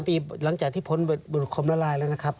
ปีหลังจากที่พ้นบุตรคมละลายแล้วนะครับ